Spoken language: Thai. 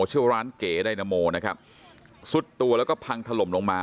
ชื่อว่าร้านเก๋ไดนาโมนะครับสุดตัวแล้วก็พังถล่มลงมา